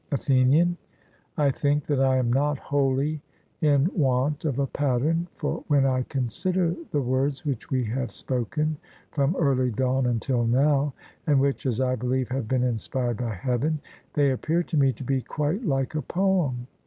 ATHENIAN: I think that I am not wholly in want of a pattern, for when I consider the words which we have spoken from early dawn until now, and which, as I believe, have been inspired by Heaven, they appear to me to be quite like a poem.